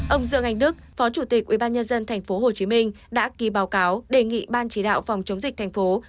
ông dương anh đức phó chủ tịch ubnd tp hcm đã ký báo cáo đề nghị ban chỉ đạo phòng chống dịch thành phố